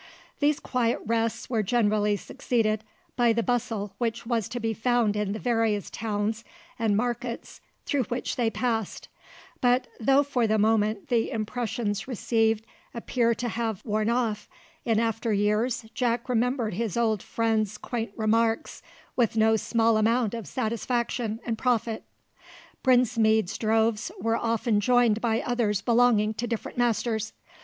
These quiet rests were generally succeeded by the bustle which was to be found in the various towns and markets through which they passed; but though for the moment the impressions received appear to have worn off, in after years Jack remembered his old friend's quaint remarks with no small amount of satisfaction and profit. Brinsmead's droves were often joined by others belonging to different masters.